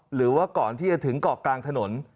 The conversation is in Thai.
หรือว่าก่อนที่จะถึงเกาะกลางถนน